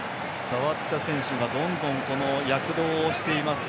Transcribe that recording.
代わった選手がどんどん躍動をしています